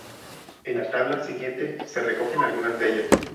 En la tabla siguiente se recogen algunas de ellas.